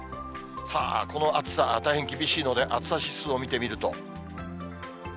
さあ、この暑さ、大変厳しいので、暑さ指数を見てみると。